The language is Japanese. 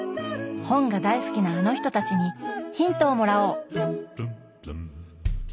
本が大好きなあの人たちにヒントをもらおう！